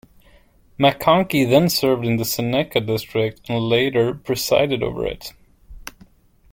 McConkie then served in the Seneca District and later presided over it.